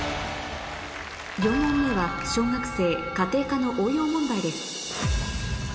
４問目は小学生家庭科の応用問題です